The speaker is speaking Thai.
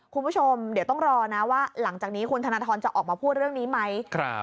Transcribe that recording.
คุณผู้ชมเดี๋ยวต้องรอนะว่าหลังจากนี้คุณธนทรจะออกมาพูดเรื่องนี้ไหม